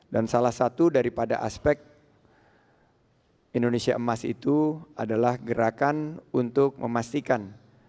dan salah satu daripada aspek indonesia emas itu adalah gerakan untuk memastikan